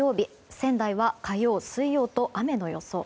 仙台は火曜、水曜と雨の予想。